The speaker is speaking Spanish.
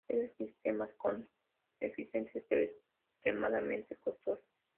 Estos sistemas son eficientes pero extremadamente costosos.